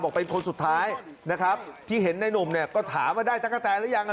เป็นคนสุดท้ายนะครับที่เห็นในหนุ่มเนี่ยก็ถามว่าได้ตั๊กกะแตนหรือยัง